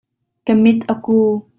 Ka mit a ku.